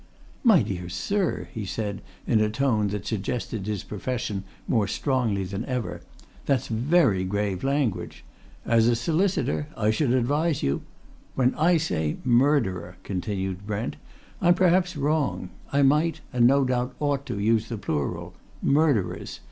"My dear sir!" he said, in a tone that suggested his profession more strongly than ever. "That's very grave language. As a solicitor, I should advise you " "When I say murderer," continued Brent, "I'm perhaps wrong. I might and no doubt ought to use the plural. Murderers!